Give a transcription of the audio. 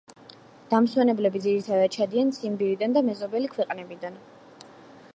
დამსვენებლები ძირითადად ჩადიან ციმბირიდან და მეზობელი ქვეყნებიდან.